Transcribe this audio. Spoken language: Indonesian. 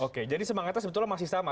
oke jadi semangatnya sebetulnya masih sama